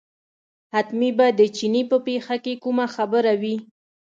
حتمي به د چیني په پېښه کې کومه خبره وي.